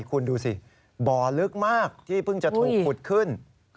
คุณดูสิบ่อลึกมากที่เพิ่งจะถูกขุดขึ้น